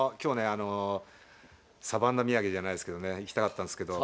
あのサバンナ土産じゃないですけどねいきたかったんですけど。